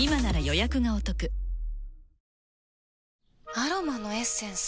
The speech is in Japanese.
アロマのエッセンス？